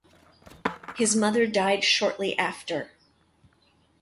His mother died shortly after.